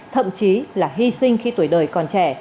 thậm chí là hy sinh khi tuổi đời còn trẻ